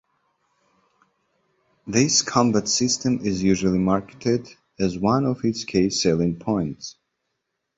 This combat system is usually marketed as one of its key selling points.